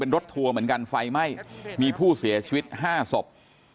รถทัวร์เหมือนกันไฟไหม้มีผู้เสียชีวิต๕ศพ